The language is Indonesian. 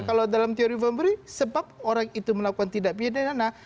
kalau dalam teori pemberi sebab orang itu melakukan tidak pidana